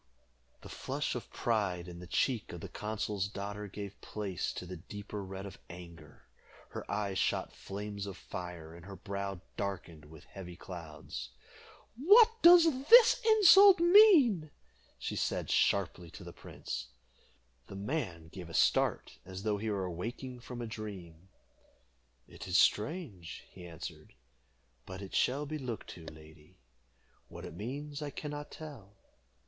The flush of pride in the cheek of the consul's daughter gave place to the deeper red of anger. Her eyes shot flames of fire, and her brow darkened with heavy clouds. "What does this insult mean?" she said sharply to the prince. The young man gave a start, as though he were awaking from a dream. "It is strange," he answered, "but it shall be looked to, lady. What it means I can not tell."